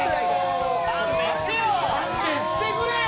勘弁してくれよ！